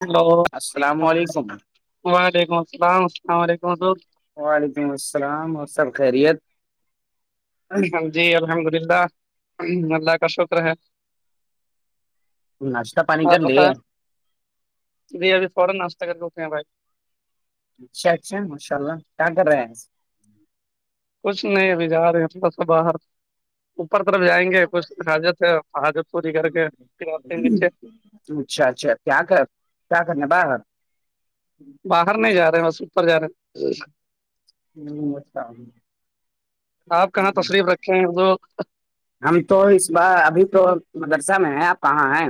Hello السلام علیکم وعلیکم السلام السلام علیکم دوست وعلیکم السلام اور سب خیریت ہاں جی الحمد للہ اللہ کا شکر ہے ناشتہ پانی آپ کر لیے بتائیں جی ابھی فورن ناشتہ کر کے اٹھے ہیں بھائی اچھ اچھا ماشاء اللہ کیا کر رہے ہیں کچھ نہیں ابھی جا رہے ہیں تھوڑا سا باہر اوپر طرف جائیں گے کچھ حاظت ہے حاجت پوری کر ہیں کے پھر لوٹتے ہیں نیچے اچھا اچھا کیا کر کیا کرنا باہر باہر نہیں جا رہے ہیں بس اپر جا رہے ہیں آپ کہاں تشریف رکھے ہیں جو [unintelligible] ہم تو اس بار ابھی تو ہم مدرسہ میں ہے آپ کہاں ہیں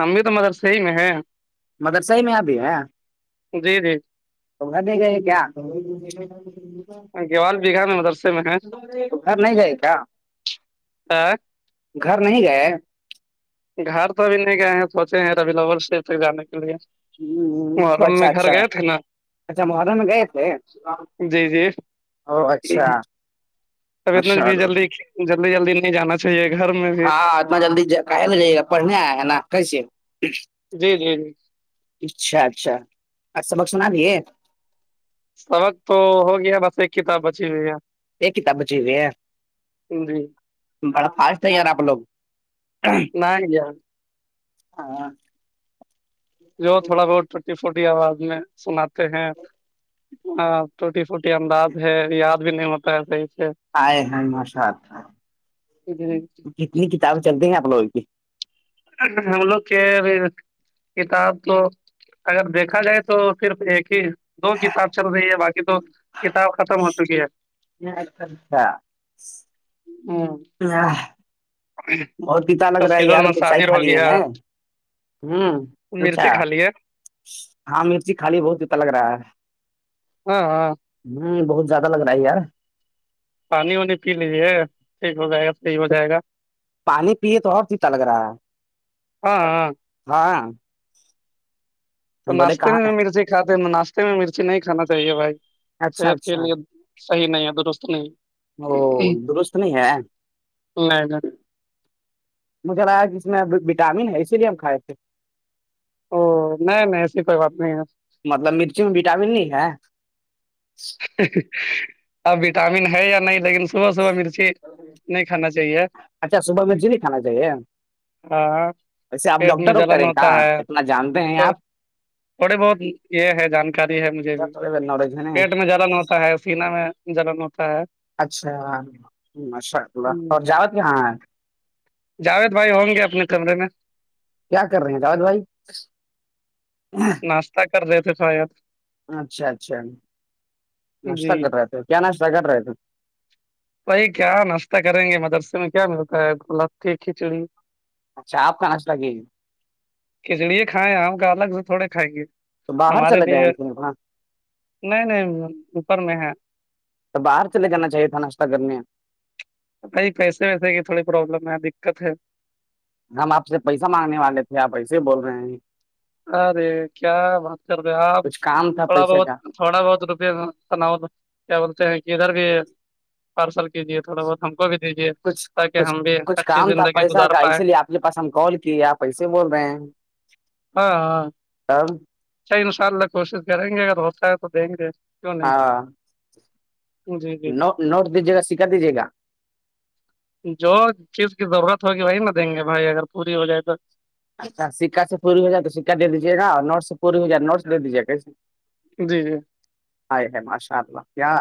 ہم بھی تو مدرسے ہے میں ہے مدرسہ ہے میں اپ بھی ہے جی جی تو گھر نہیں گئے ہیں کیا گیوال بیگھہ میں مدرسے میں ہیں تو گھر نہیں گئے کہ آ، گھر نہیں گئے گھر تو ابھی نہیں گئے ہیں سوچیں ہیں ابھی لورس ڈے پہ جانے کے لیے محرم اچھا میں گھر اچھا گئے تھے نا اچھا محرم میں گئے تھے جی جی او اچھا اب اتنا ماشاء بھی اللہ جلدی جلدی جلدی نہیں جانا چاہیے گھر میں بھی ہاں آتنا جلدی ج کے اپڑن ہے نا کسے جی جی جی اچھا اچھا اچ سبق سنا بھیے سبق تو ہو گیا بس ایک کتاب بچی ہوئی ہے ایکک ت بچیی جی بڑا فاسٹ ہے یار آپ لوگ نہ گیا ہاں جو تھوڑا بہت ٹی فوٹی آواز میں سناتے ہیں ہاں چھوٹی چھوٹی انداز ہے یاد بھی نہیں ہوتا ہے صحیح سے آئے ہیں مشات جی کتنی کتابیں چلتی ہیں آپ لوگوں کی ہم لوگ کے کتاب تو اگر دیکھا جائے تو صرف ایک ہی دو کتاب چل رہی ہے باقی تو کتاب ختم ہو چکی ہے اچھا ہوں بہت پیتا لگ رہا ہے تفصیل یار تو چائے المصادر کھا ہو لیے گیا ہیں ہوں مرچیں اھا کھا لی ہے ہاں مرچی خالی بہت جتا لگ رہا ہے ہاں ہاں ہوں بہت زیادہ لگ رہا ہے یار پانی وانی پی لیجیے ٹھیک ہو جائے گا صحیح ہو جائے گا پانی پیے تو ہ چی لگ رہا ہے ہاں ہاں ہاں تو بولے ناشتے کہاں میں مرچی کھاتے ہیں ناشتے میں مرچی نہیں کھانا چاہیے بھائی اچھا صحت کے اچھا لیے صحی نہیں ہے درست نہیں او نہیں درست نہیں ہے نہیں مجھے لگا کہ اس میں وٹامن ہے اسی لیے ہم کھائے تھے او نہیں نہیں ایسی کوئی بات نہیں ہے مطلب مرچی میں وٹامن نہیں ہے اب وٹامن ہے یا نہیں لیکن صبح صبح مرچی نہیں کھانا چاہیے اچھا صبح مرچی نہیں کھانا چاہیے ہاں ویسے آپ پیٹ میں ڈاکٹر واکٹر جلن ہیں ہوتا کہاں ہے اتنا جانتے ہیں تو تھوڑی بہت یہ ہے جانکاری ہے مجھے بھی آپ تھوڑے نالج ہے نہیں پیٹ میں جلن ہوتا ہے سین میں جلن ہوتا ہے اچھا ماشاء اللہ ہوں، اور جاوت کہاں ہے جاوید بھائی ہوں گے اپنے کمرے میں کیا کر رہے ہیں دااد بھائی ناشتہ کر رہے تھے تھایید اچھا اچھا ناشتہ جی کر رہے تھے کیا ناشتہ کر رہے تھے بائی کیا ناشتہ کریں گے مدرسے میں کیا ملتا ہے ل کھچڑی اچھا آپ کا نشلہگے کھچڑی کھائےیں ہیں آم کا الگ سے تھوڑے کھائیں گے تو باہر ہمارے چلے لیے جائیں تھےاں نہیں نہیں اوپر میں ہے تو باہر چل جانا چاہیے تھا ناشت کرنے بھائی پیسے ویسے کی تھوڑی پروابلم ہے دقت ہے ہم آپ سے پیسہ مانگنے والے تھے آپ ایسے ہی بول رہے ہیں ارے کیا بات کر رہے آپ کچھ کام تھا تھوڑا پیسے بہت کا تھوڑا بہت روپئےنا کیا بولتے ہیں کہ ادھر بھی پارسل کیجیے تھوڑا بہت ہم کو بھی دیجیے کچھ تاکہ کچھ ہم بھی اچھی زندگی گزار پائے مھےاس ہم کال کیے آپ ایسے بول رہے ہیں ہاں ہاں آم چ ان شاء اللہ کوشش کریں گے اگر ہوتا ہے تو دیں گے نہیں ہاں جی جی نو نوٹ دیجیے گا سیککھا دیجیے گا جو چیز کی ضرورت ہوگی وہی نہ دیں گے بھائی اگر پوری ہو جائے تو اچھا سکا سے پوری ہو جائے تو سکا دے دیجی گا نوٹ سے پوری ہو جائے تو نوٹ سے دے دیجی گا کیسے جی جی ہائے ہے ماشاء اللہ کیا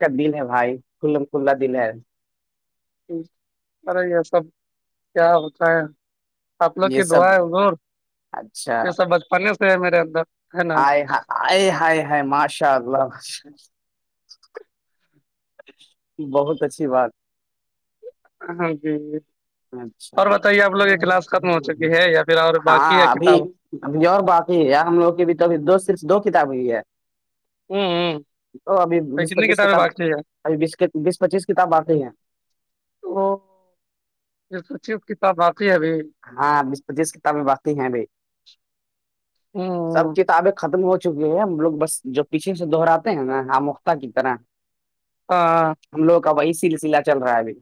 کا دن ہے بھائی ک کھلا دن ہے ارے یہ سب کیا ہوتا ہے آپ لوگ یہ کی سب دعائیں ادور اچھا یہ سب بچپنے سے ہے میرے اندر ہے نا آائے ہائے ہائے ماشاء اللہ باش بہت اچھی بات ہ ج اچھا اور بتائیے آپ لوگ یہ کلاس ختم ہو چکی ہے یا پھر اور باقی ہے ہاں ابھی کتاب ابھی اور باقی ہے ہم لوگ کی بھی تو ابھی دو صر دو کتاب ہی ہے ہوں تو ابھی ہ بیس کتنی پچیس کتابیں کتاب باقی ہے ابھی بیس بیس پچیس کتاب باقی ہے تو یہ سوچیے اس کتاب باقی ہے ابھی ہاں بیس پچیس کتابیں باقی ہیں بھائی سب ہوں کتابیں ختم ہو چکے ہے ہم لوگ بس جو پیچھے سے د دوہراتے ہیں نا آ موختہ کی طرح ہ ہم لوگ کا وہی سلسلہ چل رہا ہے ابھی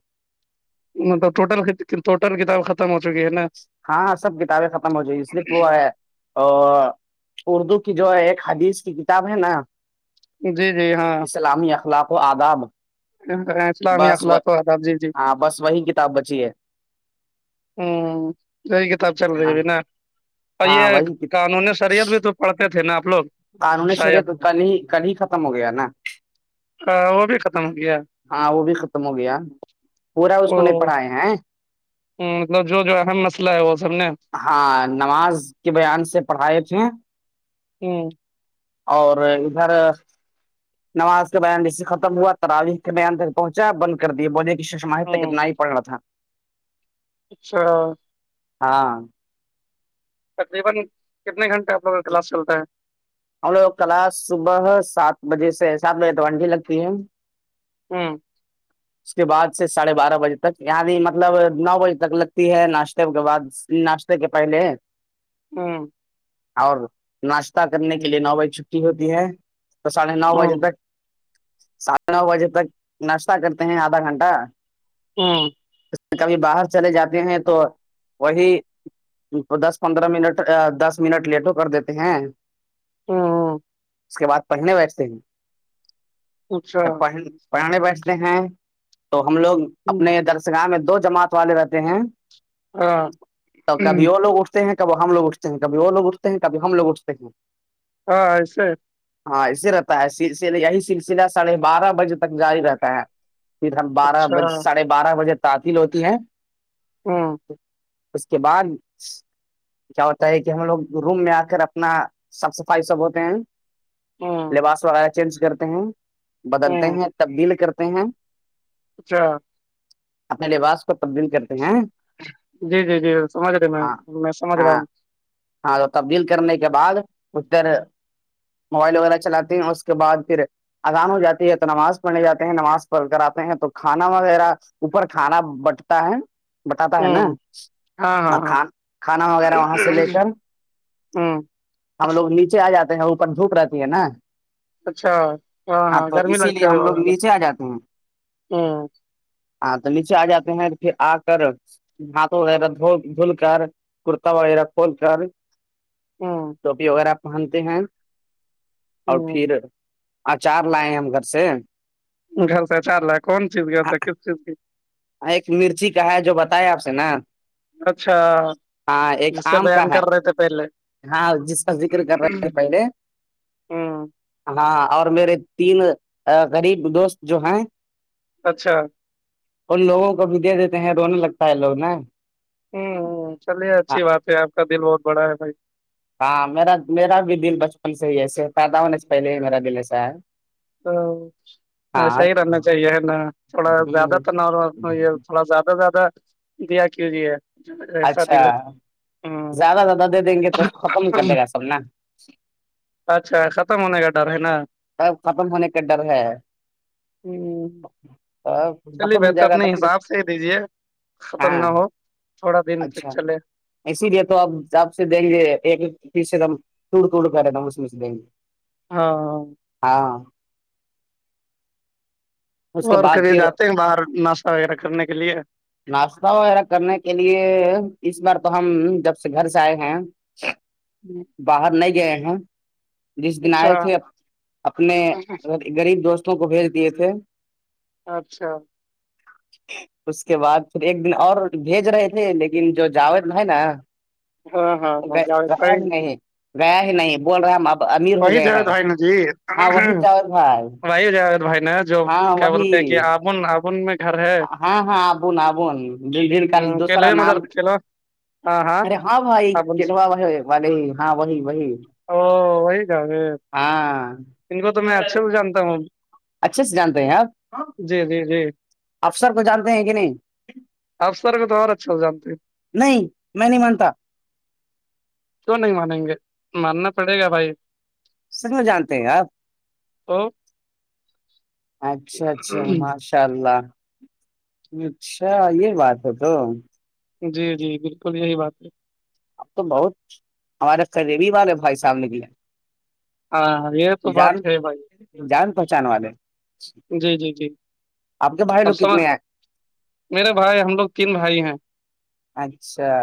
مطلب ٹوٹل کٹل کتاب خت ہو چکی ہےا ہاں ہاں سب کتابیں ختم ہو جائ صرف وہ ہے اور اردو کی جو ایک حدیث کی کتاب ہے نا جی جی ہاں اسلامی اخلاق و آداب اسلامی بس وہ اخلاق جی جی ہاں بس وہی کتاب بچی ہے ہوں جی کتاب چل رہی ہے ہاں بھی نا اور یہ ہاں وہی قانونی شریعت بھی تو پڑھتے تھے نا آپ لوگ قانونی شریعت شاید کل ہی کل ہی ختم ہو گیا نا وہ بھی ختم ہو گیا ہاں وہ بھی ختم ہو گیا پورا اس وہ کو نہیں پڑھاائے ہیں مطلب جو جو اہم مسئلہ ہے وہ سب نے ہاں نماز کے بیان سے پڑھائے تھے ہوں اور ادھر نماز کے بیان جسے ختم ہوا ت راویق کے بیان تک پہنچا بند کر دیا بولے ماہت ہ کتنا ہی پڑ رہ تھا اچھا ہاں تقریبا کتنے گھنٹے گلاس چلتا ہے ہم لوگ کلاس صبح سات بجے سے سات بجے تونڈی لگتی ہے ہوں اس کے بع سے ساڑھے بارہ بجے تک نی مطلب نو بجے تک لگتی ہے ناشتے کے بعد ناشتے کے پلے ہاں اور ناشتہ کرنے کے لیے نو بج چھٹی ہوتی ہے تو ساھے نو بجے ہ تک سات نو بجے تک ناشتہ کرتے ہیں آدھا گھنٹہ ہاں کبھی باہر چلے جاتے ہیں تو وہی تو دس پندرہ منٹ دس منٹ لیٹو کر دیتے ہیں ہاں اس کے بعد پہنے بیچتے ہیں اچھا جب پہ پرانے بیٹھتے ہیں تو ہم لوگ ہوں، اپنے درسگاہ میں دو جماعت والے رہتے ہیں ہاں تو کبھی ہوں، وہ لوگ اٹھتے ہیں کب ہم لوگ اٹھتے ہیں کبھی وہ لوگ اٹھتے ہیں کبھی ہم لوگ اٹھتے ہیں ہاں آ سر ہاں اسے رہتا ہے س یہی سلسلہ ساڑھے بارہ بجے تک جاری رہتا ہے پھر ہم بارہ اچھا بج ساڑھے بارہ بجے تعطیل ہوتی ہے ہاں اس کے بعد کیا ہوتا ہے کہ ہم لوگ روم میں آ کر اپنا صاف صفائی سب ہوتے ہیں ہوں لباس آیا چینج کرتے ہیں بدلتے ہوں ہیں تبدیل کرتے ہیں اچھا اپنے لباس کو تبدیل کر کے جی جی جی سمجھ رہے میں ہاں میں سمجھ رہا ہاں ہوں ہاں تو تبدیل کرنے کے بعد اس پھر موبائل وغیرہ چلاتے ہیں اور اس کے بعد پھر اذان ہو جاتی ہے تو نماز پڑھنے جاتے ہیں نماز پڑھ کر آتے ہیں تو کھانا وغیرہ اوپر کھانا بٹتا ہے بٹاتا ہے ہ نا ہاں ہاں اور ہاں کھانا وغیرہ وہاں سے لے کر ہاں ہم لو نیچے آ جاتے ہیں اوپر جھوپ رہتی ہے نا اچھا ہاں ہاں تو گرمی اسی لگتی لیے ہوئے ہم بت لوگ زدہ نیچے آ جاتے ہیں ہ ہاں تو نیچے آ جاتے ہیں پھر آ کر ہات وغیرہ دول دھول کر کورتا وغیرہ کھول کر ہاں ٹوپی وغیرہ پہنتے ہیں اور پھر ہوں اچار لائے ہیں ہم گھر سے گھر سےچار رہ ل کون چیز کی کس چیز کی ایک مرچی کا ہے جو بتایا آپ سے نا اچھا ہاں ایک جس سے آم کا بیان ہے کر رہے تھے پہلے ہاں جس کا دکری کر رہے پہلے ہاں ہاں اور میرے تین غریب دوست جو ہیں اچھا اور لوگوں کو بھی دے دیتے ہیں رونے لگتا ہے لوگ نا ہوں ہ چلیے ہاں اچھی بات ہے آپ کا دل بہت بڑا ہے بھائی ہاں میرا میرا بھی دل بچپن سے ہی ایسے پائیدا ہونے سے پہلے ہی میرا دل ایسا ہے تو صحی ہاں رہنا چاہیے نا تھوڑا زیادہ ہ تو ن یہ تھ زیادہ سے زیادہ دیا کیوں جی ہے رساد ل اچھا تھا زیادہ زیادہ دے دیں گے تو ختم کر ہ دے گا سب نا اچھا ختم ہونے کا ڈر ہے نا سب ختم ہونے کا ڈر ہے ہوں اور چلیے بہتر اپنے حساب سے ہی دیجیے ختم ہاں نہ ہو تھوڑا دن تک اچھا چلے اسی لیے تو آپ آپ سے دیں گے ایک ایک پیس ایک دم ٹوڑ توٹڑ کر دم اس میں سے دیں گے ہاںاں ہاں اس کے اور بعد کہبھی پھر جاتے ہیں باہر ناشہ وغیرہ کرنے کے لیے ناشتہ وغیرہ کرنے کے لیے اس بار تو ہم جب سے گھر سے آئے ہیں اچھ جی باہر نہیں گئے ہیں جس دن اچھا آئے تھے اپنے غریب دوستوں کو بھیج دیے تھے اچھا اس کے بعد پھر ایک دن اور بھیج رہے تھے لیکن جو جاوید ہے نا ہاں ہاں ہاں جاوید رہ بھائی ہی نہیں رہ ہی نہیں بول رہے ہم اب امیر ہو وہی گئے جاوید ہیں بھائی ہاں وہی جاوید بھائی بھائی جا بھائی نا جو ہاں کیا وہی بولتے ہیں کہ آبن آبن میں گھر ہے ہاں ہاں آبون آبون د دن کل دوسرا کیلے نام مدر کیلو ارے ہاں بھائی آبن سے، کہنوا ب وال ہاں وہی وہی او وہی ہاں ان کو تو میں اچھے جانتا ہوں اچھے سے جانتے ہیں آپ جی جی جی افسر کو جانتے ہیں کہ نہیں افسر کو تو اور اچھا جانتے ہیں نہیں میں نہیں مانتا کیوں نہیں مانیں گے ماننا پڑے گا بھائی س میں جانتے ہیں آپ تو اچھا اچھا ہماش انشاء اللہ اچھا یہ بات ہے تو جی جی بالکل یہی بات ہے اب تو بہت ہمارے قریبی والے بھائی صاحب نے کیاے ہاں یہ تو بات ہے بھائی جان پہنچان والے جی جی جی آپ کے باہر اب لو سمجھ کتنے ہیں میرے بھائی ہم لوگ تین بھائی ہیں اچھا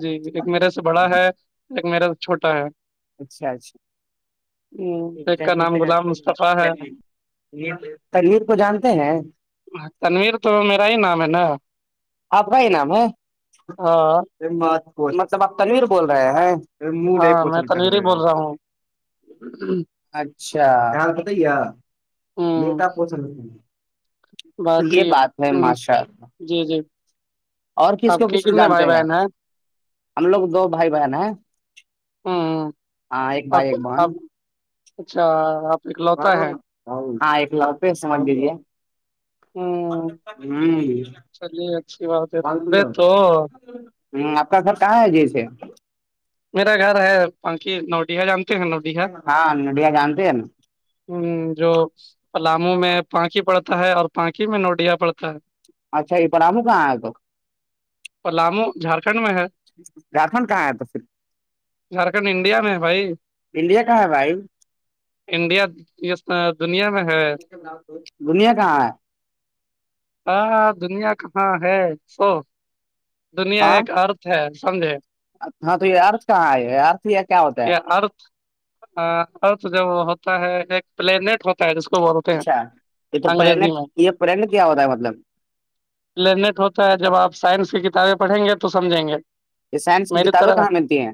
جی ایک میرے سے بڑا ہے ایک میرے سے چھوٹا ہے اچھا اچھا ہوں، ایک کا نام غلام مصطفی ہے تریر کو جانتے ہیں تنویر تو میرا ہی نام ہے نا آپ کا نام ہاں ہے م مطلب آپ تنویر بول رہے ہیں موڈے ہاں پ میں چل تنویر ہی کرے بول رہا ہوں اچھا ح پت ہی ہے یہ ہوں کیا پوس باقی ہ ماشاء اللہ جی جی اور کس آپ کو کے کس کو کتنے جانتے بھائی آپ؟ بہن ہیں ہم لوگ دو بھائی بہن ہیں ہ ہاں ایک بھائی آپ ایک بہن آپ اچھا آپ ب اکلوتا ہے ہاں ایک لوپی سمج دیلی ہے ہ ہوں چلیے اچھی بات ہے ت بی تو ہ آپ کا گھر کہاں ہے جیس میرا گھر ہے پنکھی نوڈیہ جان ہاں نڈیا جانتے ہیں ن ہ جو پلاموں میں پانکھی پڑتا ہے اور پانکی میں نوڈیا پڑتا ہے اچھا یہ پر آم کہاں آیا تو پلامو جھارکھنڈ میں ہے جھارکھنڈ کہاں ہے تل جھارکھنڈ انڈیا میں بھائی انڈیا کہاں ہے بھائی انڈیا ج دنیا میں ہے دنیا کہاں ہے ہاں دنیا کہاں ہے سو دنیا ہاں ایک ارتھ ہے سمجھے ہاں تو یہ ارت کہاں ہے ارھ یہ کیا ہوتا ہے آر ہاں اور تو جوب وہ ہوتا ہے ایک پلینٹ ہوتا ہے جس کو بولتے ہیں اچھا یہ تو پن انگریزی میں یہ پرین کیا ہوتا ہے مطلب لرنیٹ ہوتا ہے جب آپ سائنس کی کتابیں پڑھیں گے تو سمجھیں گے یہ سائنس کی کتابیں کہاں ملتی ہیں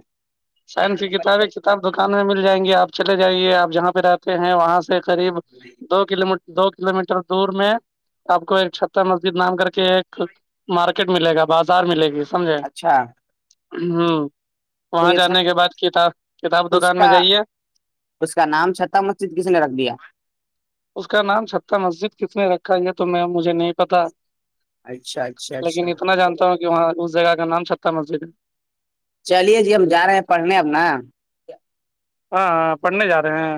سائنسی کتابیں کتاب دکان میں مل جائیں گی آپ چلے جائیے آپ جہاں پہ رہتے ہیں وہاں سے قریب دو کلو دو کلو میٹر دور میں آپ کو ایک چھتر مسجد نام کر کے ایک مارکیٹ ملے گا بازار ملے گی سمجے اچھا ہوں تو وہاں یہ چھت جانے کے بعد کتاب کتاب تو اس دکان میں کا جائیے اس کا نام چھتتا مسجد کسی نے رکھ دیا اس کا نام چھہ مسجد کس نے رکھا یہ تو میں مجھے نہیں پتا اچھا اچھا لیکن اچھا اتنا جانتا ہوں کہ وہاں اس جگہ کا نام چھٹا مسجد ہے چلیے جی ہم جا رہے ہیں پڑھنے اب نا ہاں پڑھنے جا رہے ہیں